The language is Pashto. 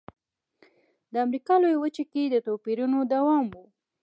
د امریکا لویه وچه کې د توپیرونو دوام و.